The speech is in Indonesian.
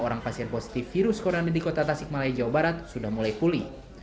orang pasien positif virus corona di kota tasik malaya jawa barat sudah mulai pulih